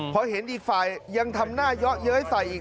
พอเห็นอีกฝ่ายยังทำหน้าเยาะเย้ยใส่อีก